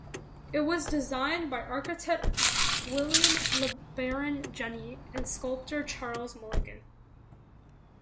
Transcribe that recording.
It was designed by architect William Le Baron Jenney and sculptor Charles Mulligan.